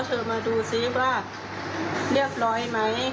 เธอมาดูซิว่าเรียบร้อยไหม